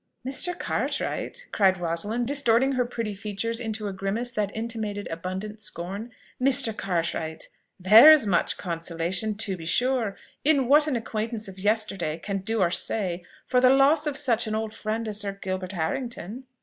"Mr. Cartwright!" cried Rosalind, distorting her pretty features into a grimace that intimated abundant scorn, "Mr. Cartwright! There is much consolation, to be sure, in what an acquaintance of yesterday can do or say, for the loss of such an old friend as Sir Gilbert Harrington!"